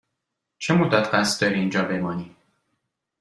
چه مدت قصد داری اینجا بمانی؟